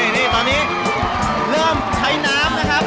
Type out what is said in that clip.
นี่ตอนนี้เริ่มใช้น้ำนะครับ